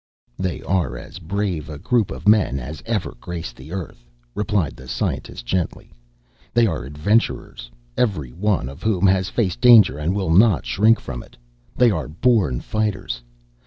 "They are as brave a group of men as ever graced the Earth," replied the scientist gently. "They are adventurers, every one of whom has faced danger and will not shrink from it. They are born fighters.